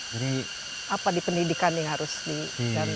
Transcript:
jadi apa di pendidikan yang harus diganti